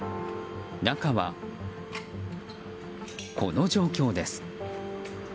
中は、この状況です。